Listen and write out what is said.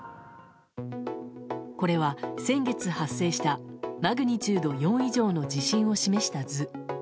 これは先月発生したマグニチュード４以上の地震を示した図。